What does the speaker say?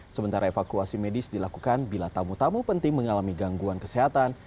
sementara evakuasi medis dilakukan bila tamu tamu penting mengalami gangguan kesehatan